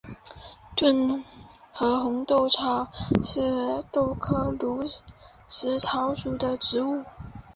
顿河红豆草为豆科驴食草属的植物。